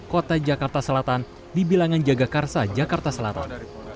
kota jakarta selatan di bilangan jagakarsa jakarta selatan